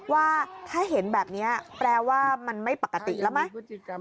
ว่าถ้าเห็นแบบนี้แปลว่ามันไม่ปกติแล้วไหม